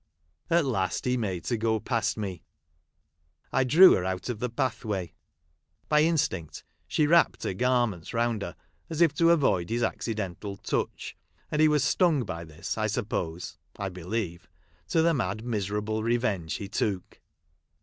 At last he made to go past me ; I drew her out of the pathway. By instinct she wrapped her garments round her, as if to avoid his accidental touch ; and he AVas stung by this, I suppose — I believe — to the mad, miserable revenge he took.